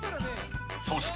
そして。